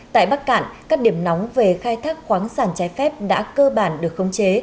tại bắc cạn các điểm nóng về khai thác khoáng sản trái phép đã cơ bản được khống chế